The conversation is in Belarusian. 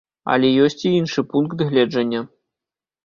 Але ёсць і іншы пункт гледжання.